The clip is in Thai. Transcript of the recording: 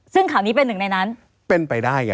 ซึ่งข่าวนี้เป็นหนึ่งในนั้น